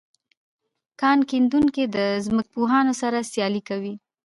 کان کیندونکي د ځمکپوهانو سره سیالي کوي